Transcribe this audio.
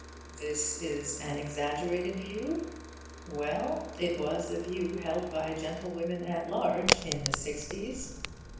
This is an exaggerated view? Well it was the view held by gentlewomen at large, in the 'sixties.